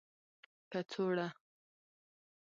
کڅوړه